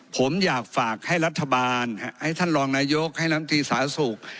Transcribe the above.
ผมอยากฝากให้รัฐบาลให้ท่านรองนายกให้น้ำตีสาธารณสุข